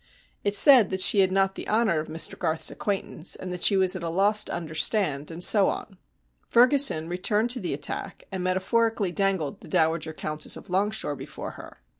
It said that she had not the honour of Mr Garth's acquaintance, and that she was at a loss to understand, and so on. Ferguson returned to the attack, and, metaphorically, dangled the Dowager Countess of Longshore before her.